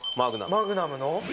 マグナムの？